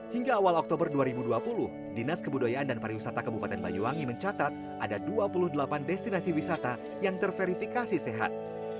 hingga awal oktober dua ribu dua puluh dinas kebudayaan dan pariwisata kabupaten banyuwangi mencatat ada dua puluh delapan destinasi wisata yang terverifikasi sehat